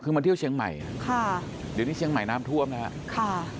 คือมาเที่ยวเชียงใหม่ค่ะเดี๋ยวนี้เชียงใหม่น้ำท่วมนะฮะค่ะ